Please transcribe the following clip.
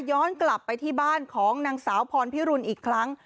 ย้อนกลับไปที่บ้านของนางสาวพรพิรุณอีกครั้ง